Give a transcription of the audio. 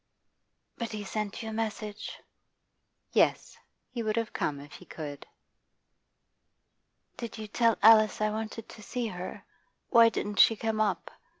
'But he sent you a message?' 'Yes. He would have come if he could.' 'Did you tell Alice I wanted to see her? Why didn't she come up?